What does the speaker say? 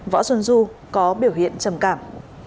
võ xuân du có biểu hiện trầm cảm